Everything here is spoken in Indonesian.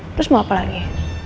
terus mau apa lagi